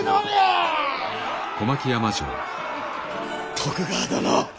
徳川殿。